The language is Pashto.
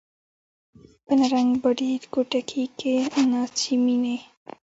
په نرنګ، باډېل کوټکي کښي ناڅي میني